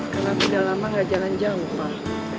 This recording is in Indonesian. karena tidur lama gak jalan jauh pak